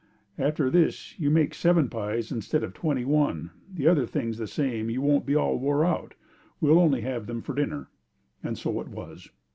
After this you make seven pies instead of twenty one and other things the same and you won't be all wore out, we'll only have them for dinner," and so it was.